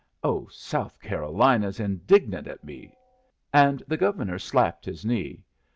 Oh, South Carolina's indignant at me!" And the Governor slapped his knee.